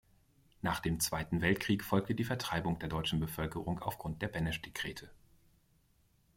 Nach dem Zweiten Weltkrieg folgte die Vertreibung der deutschen Bevölkerung aufgrund der Beneš-Dekrete.